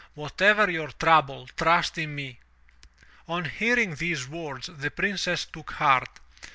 Whatever your trouble, trust in me!" On hearing these words, the Princess took heart.